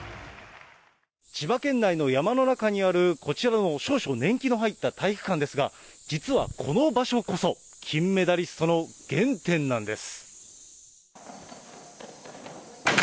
千葉県内の山の中にある、こちらの少々年季の入った体育館ですが、実はこの場所こそ、金メダリストの原点なんです。